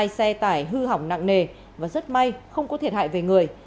hai xe tải hư hỏng nặng nề và rất may không có thiệt hại về người